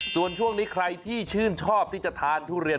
ส่วนช่วงนี้ใครที่ชื่นชอบที่จะทานทุเรียน